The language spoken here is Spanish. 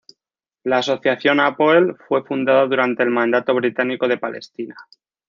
La asociación Hapoel fue fundada durante el Mandato británico de Palestina.